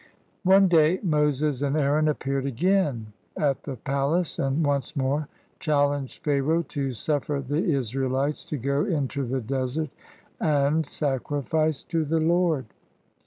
One day Moses and Aaron appeared again at the palace, and once more challenged Pharaoh to suffer the Israelites to go into the desert and sacrifice to the Lord.